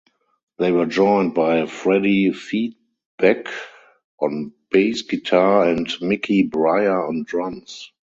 They were joined by Freddy Feedback on bass guitar and Mikey Breyer on drums.